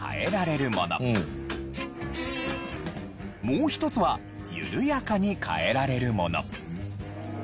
もう一つは緩やかに変えられるもの。